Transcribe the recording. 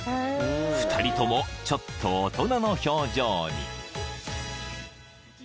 ［２人ともちょっと大人の表情に］